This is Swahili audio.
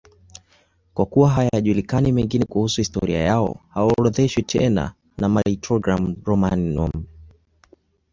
Kwa kuwa hayajulikani mengine kuhusu historia yao, hawaorodheshwi tena na Martyrologium Romanum.